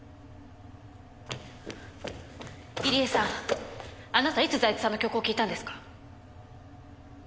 入江さんあなたいつ財津さんの曲を聴いたんですか？